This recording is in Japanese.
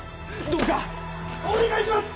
どうかお願いします！